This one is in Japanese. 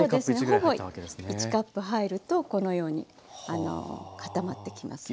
ほぼ１カップ入るとこのように固まってきます。